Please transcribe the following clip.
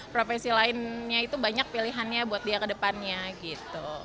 profesi lainnya itu banyak pilihannya buat dia ke depannya gitu